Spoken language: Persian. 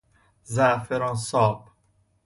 زعفران ساب